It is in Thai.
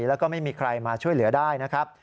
แล้วก็ไม่มีใครมาช่วยเหลือได้นะครับ